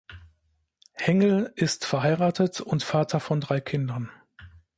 Hengel ist verheiratet und Vater von drei Kindern.